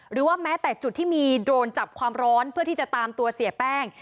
หรือว่าแม้แต่จุดที่มีโดรนจับความร้อนเพื่อที่จะตามตัวเสียแป้ง